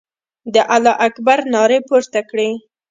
د الله اکبر نارې پورته کړې.